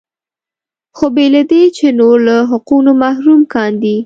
خو بې له دې چې نور له حقونو محروم کاندي.